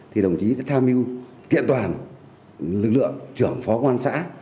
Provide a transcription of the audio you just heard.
thì đồng chí tham mưu kiện toàn lực lượng trưởng phó quan sã